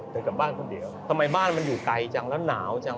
แต่กลับบ้านคนเดียวทำไมบ้านมันอยู่ไกลจังแล้วหนาวจัง